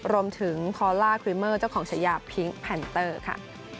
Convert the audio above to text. รวมถึงคอลล่าคริเมอร์เจ้าของฉายาพิ้งแพนเตอร์ค่ะ